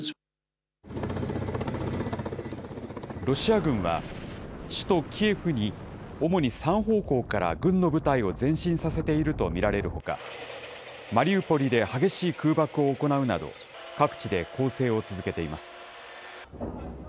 ロシア軍は、首都キエフに主に３方向から軍の部隊を前進させていると見られるほか、マリウポリで激しい空爆を行うなど、各地で攻勢を続けています。